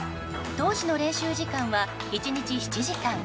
当時の練習時間は１日７時間。